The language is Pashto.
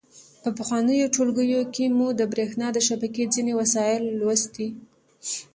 په پخوانیو ټولګیو کې مو د برېښنا د شبکې ځینې وسایل لوستي.